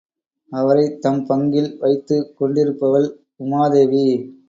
அவரைத் தம் பங்கில் வைத்துக் கொண்டிருப்பவள் உமாதேவி.